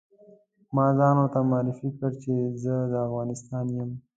ما ځان ورته معرفي کړ چې زه د افغانستان یم.